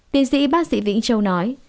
tỷ sĩ bác sĩ vĩnh châu nói